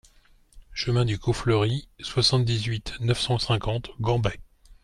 Chemin du Clos Fleury, soixante-dix-huit, neuf cent cinquante Gambais